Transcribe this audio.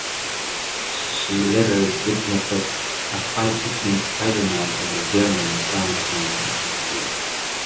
She later witnesses a fight between Spider-Man and the villain Sandman in her school.